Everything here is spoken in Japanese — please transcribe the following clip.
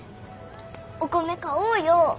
お米買おうよ。